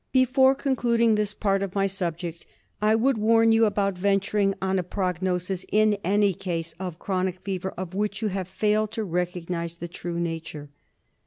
Before concluding this part of my subject I would warn you about venturing on a prognosis in any case of chronic fever of which you have failed to recognise the true nature.